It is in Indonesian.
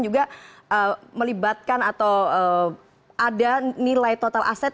juga melibatkan atau ada nilai total aset